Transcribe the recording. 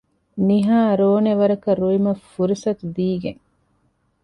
ނިހާ ރޯނެ ވަރަކަށް ރުއިމަށް ފުރުޞަތު ދީގެން